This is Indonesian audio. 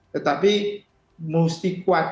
tetapi mesti kuat